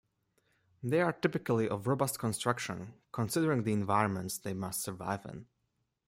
They are typically of robust construction considering the environments they must survive in.